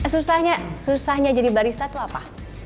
susahnya susahnya jadi barista itu apa